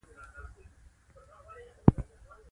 ډیر خلګ داسي فکر کوي چي زه پر حق یم